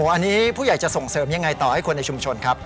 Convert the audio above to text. อันนี้ผู้ใหญ่จะส่งเสริมยังไงต่อให้คนในชุมชนครับ